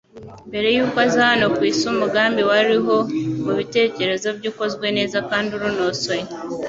Mbere y'uko aza hano ku isi umugambi wariho mu bitekerezo bye ukozwe neza kandi urunosoye.